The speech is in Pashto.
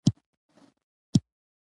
پیرودونکی د جنس رنګ بدلول غوښتل.